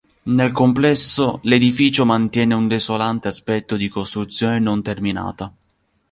Nel complesso l'edificio mantiene un desolante aspetto di costruzione non terminata.